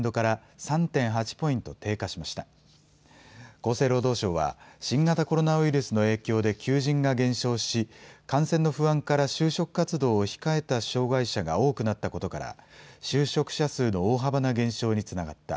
厚生労働省は新型コロナウイルスの影響で求人が減少し感染の不安から就職活動を控えた障害者が多くなったことから就職者数の大幅な減少につながった。